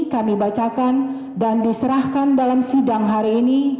kami bacakan dan diserahkan dalam sidang hari ini